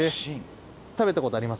食べた事あります？